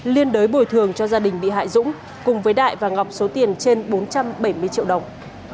liên đối bồi thường cho gia đình bị hại dũng cùng với đại và ngọc số tiền trên bốn trăm bảy mươi triệu đồng